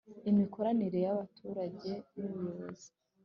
imikoranire y'abaturage n'ubuyobozi